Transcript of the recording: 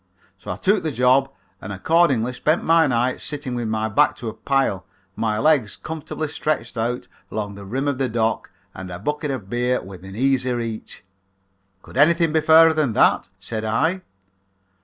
So I took the job and accordingly spent my nights sitting with my back to a pile, my legs comfortably stretched out along the rim of the dock and a bucket of beer within easy reach." "Could anything be fairer than that?" said I.